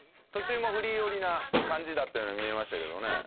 途中もフリー寄りな感じだったように見えましたけどね。